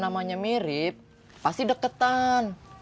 namanya mirip pasti deketan